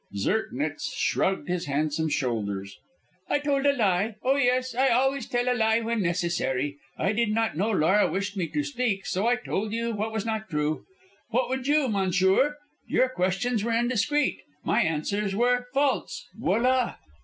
Zirknitz shrugged his handsome shoulders. "I told a lie! Oh, yes, I always tell a lie when necessary. I did not know Laura wished me to speak, so I told what was not true. What would you, monsieur? Your questions were indiscreet. My answers were false. _Voila!